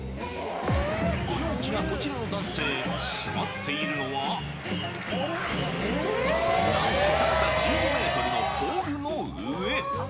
ご陽気なこちらの男性、座っているのは、なんと高さ１５メートルのポールの上。